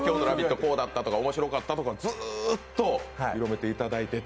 こうだったとか、面白かったとかずーっと広めていただいていて。